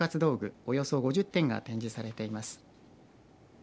およそ５０点が展示されています。